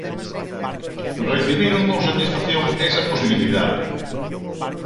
Recibiron con satisfacción esa posibilidade.